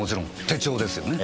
手帳ですよね。